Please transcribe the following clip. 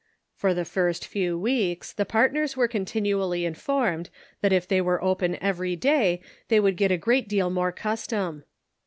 For the first few weeks the partners were contin ually informed that if they were open every, day they would get a great deal more custom.